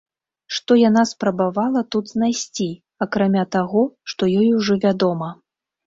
Што яна спрабавала тут знайсці, акрамя таго, што ёй ўжо вядома?